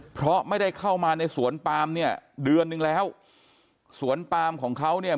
เพราะไม่ได้เข้ามาในสวนปามเนี่ยเดือนนึงแล้วสวนปามของเขาเนี่ย